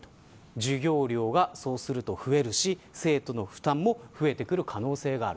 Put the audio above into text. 授業料が増えるし生徒の負担も増えてくる可能性がある。